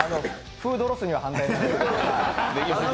フードロスには反対で。